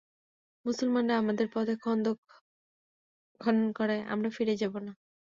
মুসলমানরা আমাদের পথে খন্দক খনন করায় আমরা ফিরে যাব না।